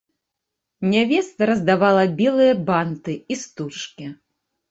Нявеста раздавала белыя банты і стужкі.